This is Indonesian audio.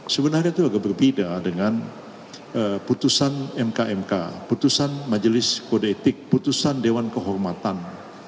sebenarnya itu agak berbeda dengan putusan mk mk putusan majelis kode etik putusan dewan kehormatan